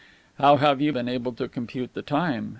"How have you been able to compute the time?"